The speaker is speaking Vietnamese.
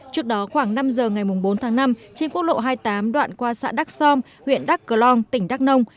trước đó khoảng năm giờ ngày bốn tháng năm trên quốc lộ hai mươi tám đoạn qua xã đắc som huyện đắc cờ long tỉnh đắk nông